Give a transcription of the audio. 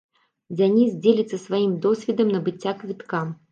Дзяніс дзеліцца сваім досведам набыцця квітка.